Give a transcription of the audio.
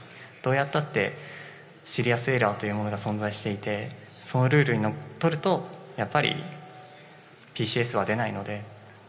どうやったってシリアスエラーというものが存在していてそのルールにのっとるとやっぱりＰＣＳは出ないので。